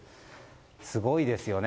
すごいですよね。